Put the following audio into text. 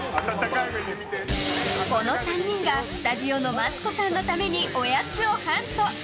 この３人がスタジオのマツコさんのためにおやつをハント。